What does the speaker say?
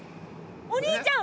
お兄ちゃん！